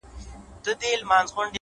ايله چي شل’ له ځان سره خوارې کړې ده’